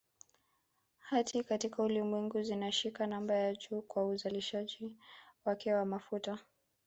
Hata katika Ulimwengu zinashika namba ya juu kwa uzalishaji wake wa mafuta